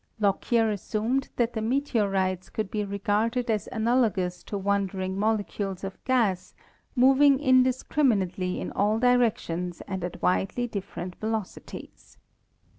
Lockyer assumed that the meteor ites could be regarded as analogous to wandering mole cules of gas moving indiscriminately in all directions and at widely different velocities.